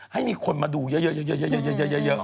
ให้มีคนมาดูเยอะ